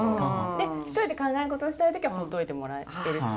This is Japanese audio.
で一人で考え事したい時はほっといてもらってるし。